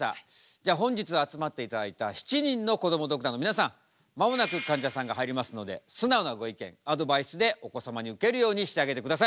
じゃあ本日集まっていただいた７人のこどもドクターの皆さん間もなくかんじゃさんが入りますので素直なご意見アドバイスでお子様にウケるようにしてあげてください。